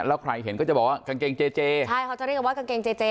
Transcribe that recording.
แล้วใครเห็นก็จะบอกว่ากางเกงเจเจใช่เขาจะเรียกกันว่ากางเกงเจเจ